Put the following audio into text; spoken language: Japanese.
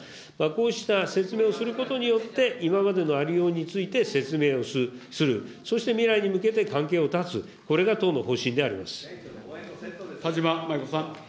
こうした説明をすることによって、今までのありようについて説明をする、そして未来に向けて関係を田島麻衣子さん。